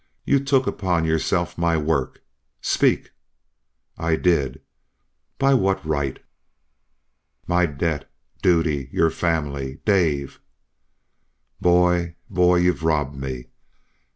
You took upon yourself my work?... Speak." "I did." "By what right?" "My debt duty your family Dave!" "Boy! Boy! You've robbed me."